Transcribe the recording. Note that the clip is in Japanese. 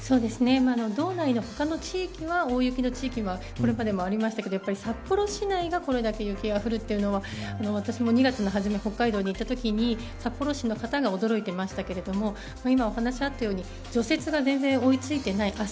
道内の他の地域は大雪の地域はこれまでもありましたけど札幌市内がこれ雪が降るというのは私も２月初め北海道に行ったときに札幌市の方が驚いていましたけど今、お話があったように除雪が全然追いついていない。